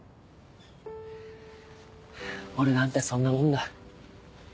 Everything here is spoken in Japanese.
俺なんてそんなもんだ。